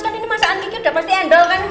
kan ini masakan kiki udah pasti endol kan